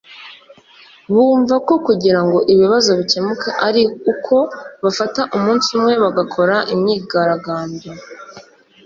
bumva ko kugira ngo ibibazo bicyemuke ari uko bafata umunsi umwe bagakora imyigaragambyo